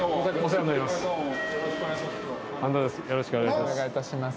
よろしくお願いします。